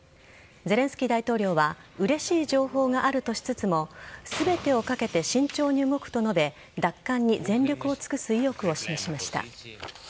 ゼレンスキー大統領はうれしい情報があるとしつつも全てを懸けて慎重に動くと述べ奪還に全力を尽くす意欲を示しました。